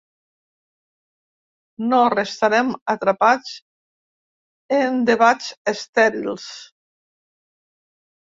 No restarem atrapats en debats estèrils.